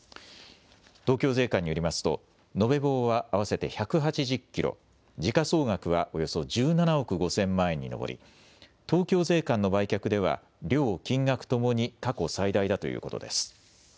東京税関によりますと、延べ棒は合わせて１８０キロ、時価総額はおよそ１７億５０００万円に上り、東京税関の売却では、量、金額ともに、過去最大だということです。